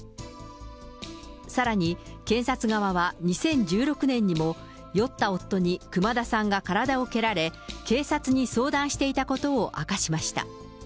さらに検察側は、２０１６年にも、寄った夫に熊田さんが体を蹴られ、警察に相談していたことを明かしました。